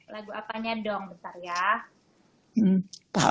lagu apanya dong besar ya